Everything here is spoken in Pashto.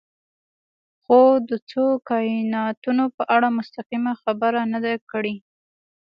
خو د څو کایناتونو په اړه مستقیمه خبره نه ده کړې.